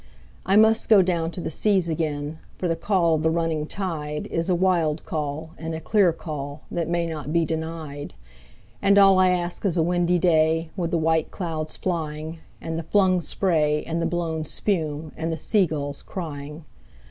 I must down go to the seas again, for the call of the running tide Is a wild call and a clear call that may not be denied; And all I ask is a windy day with the white clouds flying, And the flung spray and the blown spume, and the sea gulls crying.